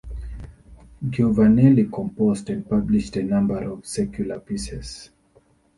Giovanelli composed and published a large number of secular pieces.